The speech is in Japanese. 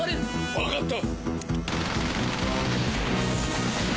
分かった。